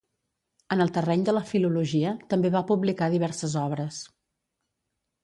En el terreny de la filologia, també va publicar diverses obres.